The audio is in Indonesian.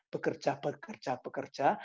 bekerja bekerja bekerja